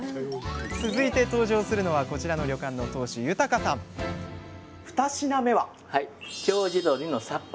続いて登場するのはこちらの旅館の当主豊さん二品目は？